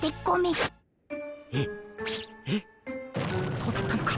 そうだったのか。